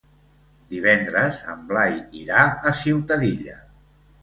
Divendres en Blai irà a Ciutadilla.